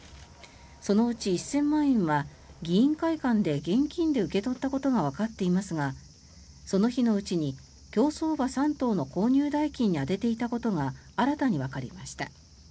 そのうち１０００万円は議員会館で現金で受け取ったことがわかっていますがその日のうちに競走馬３頭の購入代金に充てていたことが新たにわかりました。